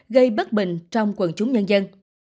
gây bất bình trong quần chúng nhân dân